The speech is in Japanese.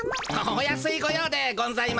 お安いご用でゴンざいます。